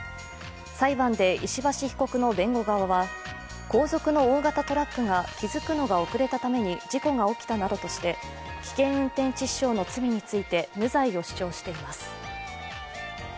裁判で石橋被告の弁護側は後続の大型トラックが気づくのが遅れたために事故が起きたなどとして危険運転致死傷の罪について無罪を主張しています。